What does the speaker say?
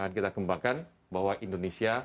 kita kembangkan bahwa indonesia